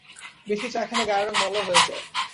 বেশি চা খেলে গায়ের রঙ ময়লা হয়ে যায়।